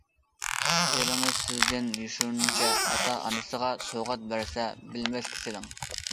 ئېرىڭىز سىزدىن يوشۇرۇنچە ئاتا-ئانىسىغا سوۋغات بەرسە، بىلمەسكە سىلىڭ.